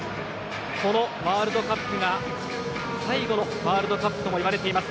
このワールドカップが最後のワールドカップとも言われています。